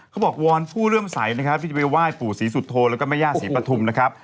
วอนผู้เริ่มใสนะครับที่จะไปไหว้ปู่ศรีสุโธแล้วก็แม่ย่าศรีปฐุมนะครับ